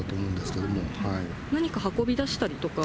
けれ何か運び出したりとか？